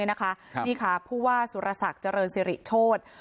นี่ค่ะผู้ว่าสุรศักดิ์เจริญสิริโชธ